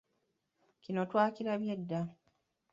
Kino twakirabye dda.